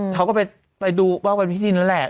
เขาก็ไปดูว่าเป็นพี่ทินแล้วแหละ